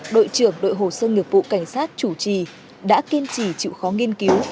đội trưởng đội hồ sơ nghiệp vụ cảnh sát chủ trì đã kiên trì chịu khó nghiên cứu